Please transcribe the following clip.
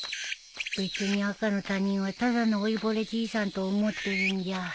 別に赤の他人はただの老いぼれじいさんと思ってるんじゃ